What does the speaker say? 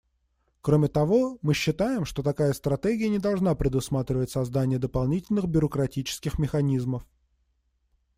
Кроме того, мы считаем, что такая стратегия не должна предусматривать создание дополнительных бюрократических механизмов.